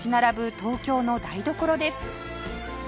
東京の台所です